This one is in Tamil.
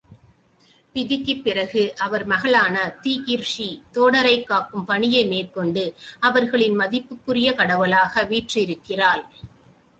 பிதிக்குப் பிறகு அவர் மகளான தீகிர்சி தோடரைக் காக்கும் பணியை மேற்கொண்டு, அவர்களின் மதிப்பிற்குரிய கடவுளாக வீற்றிருக்கிறாள்.